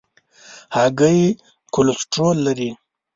هګۍ کولیسټرول لري.